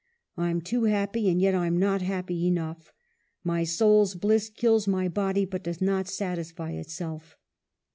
I'm too happy, and yet I'm not happy enough. My soul's bliss kills my body, but does not satisfy itself.'